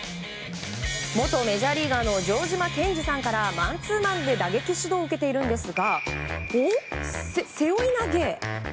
元メジャーリーガーの城島健司さんからマンツーマンで打撃指導を受けているんですがえっ、背負い投げ？